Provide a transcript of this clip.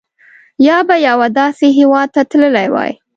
یا به یوه داسې هېواد ته تللي وای.